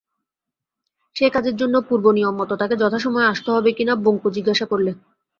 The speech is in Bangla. সেই কাজের জন্যে পূর্বনিয়মমত তাকে যথাসময়ে আসতে হবে কি না বঙ্কু জিজ্ঞাসা করলে।